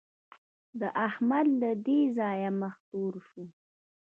د احمد له دې ځايه مخ تور شو.